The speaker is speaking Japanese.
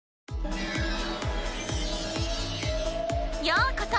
ようこそ！